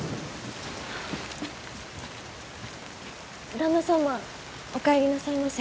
旦那様お帰りなさいませ。